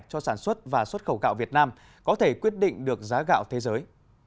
cho sản xuất và xuất khẩu gạo việt nam có thể quyết định được giá gạo thế giới